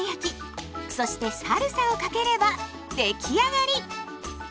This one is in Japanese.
そしてサルサをかければ出来上がり。